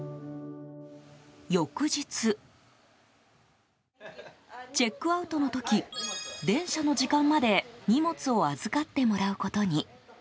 翌日、チェックアウトの時電車の時間まで荷物を預かってもらうことに。